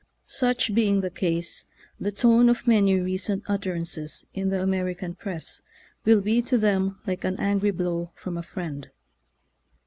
Such being the case, the tone of many recent utterances in the American press will be to them like an angry blow from a friend.